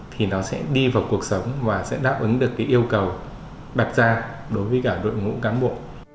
thì nó sẽ đi vào cuộc sống và sẽ đáp ứng được yêu cầu đặt ra đối với cả đội ngũ cán bộ